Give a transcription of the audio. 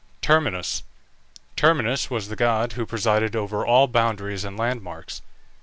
TERMINUS. Terminus was the god who presided over all boundaries and landmarks.